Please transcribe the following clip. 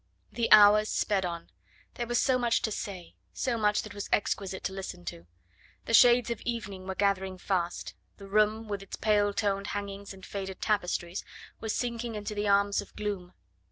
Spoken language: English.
The hours sped on; there was so much to say, so much that was exquisite to listen to. The shades of evening were gathering fast; the room, with its pale toned hangings and faded tapestries, was sinking into the arms of gloom.